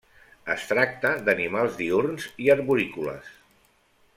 Es tracta d'animals diürns i arborícoles.